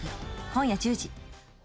今夜１０時。